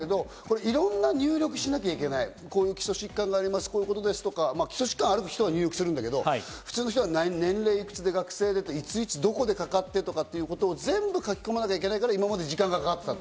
数字としてはわかるんだけど、いろんな入力をしなきゃいけない、基礎疾患がありますとか、基礎疾患ある人は入力するんだけど、普通の人は年齢いくつで学生で、いついつどこでかかってとかいうことを全部書き込まなきゃいけないから今まで時間がかかっていた。